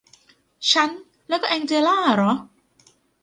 ฉันแล้วก็แองเจล่าหรอ